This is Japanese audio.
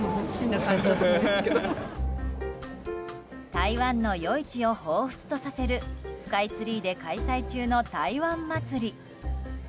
台湾の夜市をほうふつとさせるスカイツリーで開催中の台湾祭。